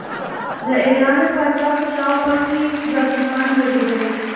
د ایران د پاچا په شاوخوا کې جاسوسان ګرځېدل.